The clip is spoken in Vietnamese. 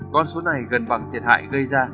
con số này gần bằng thiệt hại gây ra